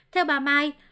theo bà mai